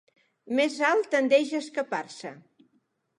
Més alt tendeix a escapar-se.